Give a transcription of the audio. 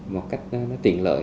một cách nó tiện lợi